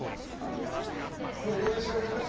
応援してあげてね。